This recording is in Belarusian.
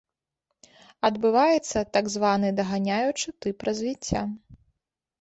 Адбываецца так званы даганяючы тып развіцця.